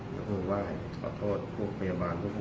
ใช่ครับขอโทษพวกพยาบาลทุกคน